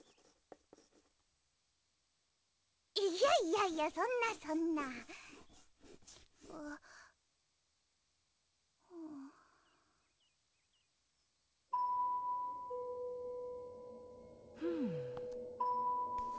いやいやいやそんなそんなうん